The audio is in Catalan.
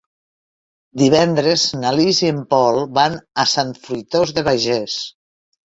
Divendres na Lis i en Pol van a Sant Fruitós de Bages.